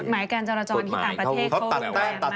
กฎหมายการจรจรที่ต่างประเทศก็แบบแรงมาก